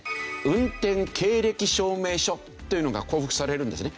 運転経歴証明書というのが交付されるんですね。